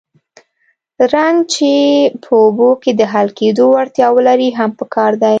رنګ چې په اوبو کې د حل کېدو وړتیا ولري هم پکار دی.